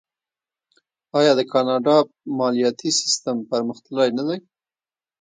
آیا د کاناډا مالیاتي سیستم پرمختللی نه دی؟